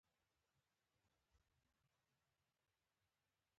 روبوټونه د دقیقو محاسبو لپاره کارېږي.